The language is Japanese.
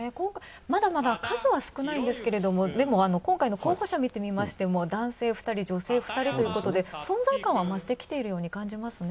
まだまだ数は少ないんですけれどもでも、今回の候補者を見てみましても男性２人、女性２人ということで存在感は増してきているように感じますね。